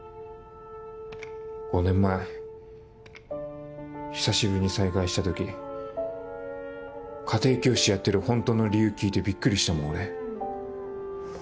５年前久しぶりに再会した時家庭教師やってるホントの理由聞いてビックリしたもん俺。